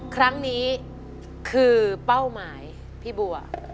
ครั้งนี้คือเป้าหมายพี่บัว